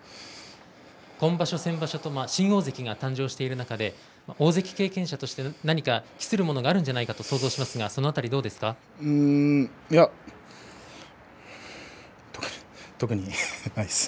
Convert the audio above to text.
今場所、先場所と新大関が誕生している中で大関経験者として何か期するものがあるんじゃないかといや特にないです。